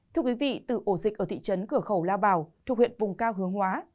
thưa quý vị từ ổ dịch ở thị trấn cửa khẩu lao bảo thuộc huyện vùng cao hướng hóa